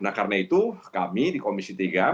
nah karena itu kami di komisi tiga